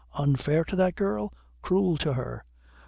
Unfair to that girl? Cruel to her!